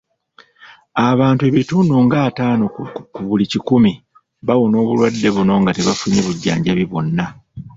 Abantu ebitundu nga ataano ku buli kikumi bawona obulwadde buno nga tebafunye bujjanjabi bwonna.